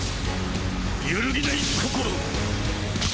揺るぎない心。